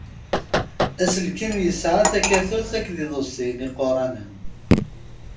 Aselkim yesɛa takatut akked iḍebṣiyen iquṛanen.